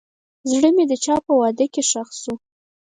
زړه مې د چا په وعدو کې ښخ شو.